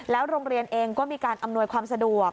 โรงเรียนเองก็มีการอำนวยความสะดวก